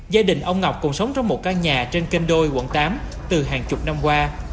gia đình ông ngọc cùng sống trong một căn nhà trên kênh đôi quận tám từ hàng chục năm qua